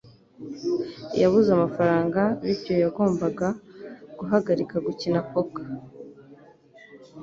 Yabuze amafaranga, bityo yagombaga guhagarika gukina poker.